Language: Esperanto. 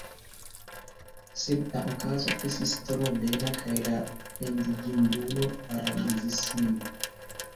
Sed la okazo estis tro bela, kaj la pendigindulo paralizis min.